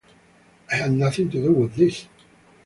I had nothing to do with this.